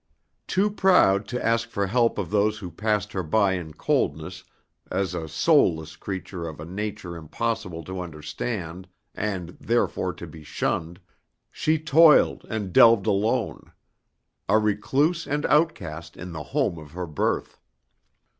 Too proud to ask for help of those who passed her by in coldness as a soulless creature of a nature impossible to understand and therefore to be shunned, she toiled and delved alone, a recluse and outcast in the home of her birth.